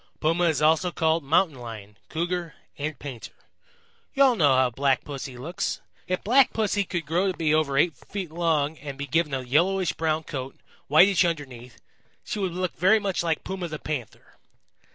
Puma is also called Mountain Lion, Cougar and Painter. You all know how Black Pussy looks. If Black Pussy could grow to be over eight feet long and be given a yellowish brown coat, whitish underneath, she would look very much like Puma the Panther.